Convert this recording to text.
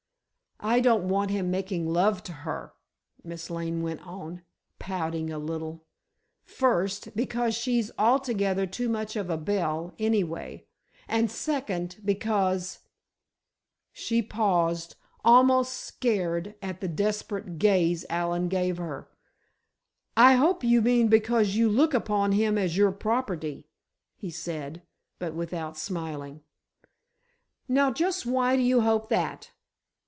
"I don't want him making love to her," Miss Lane went on, pouting a little, "first, because she's altogether too much of a belle anyway; and second—because——" She paused, almost scared at the desperate gaze Allen gave her. "I hope you mean because you look upon him as your property," he said, but without smiling. "Now, just why do you hope that?"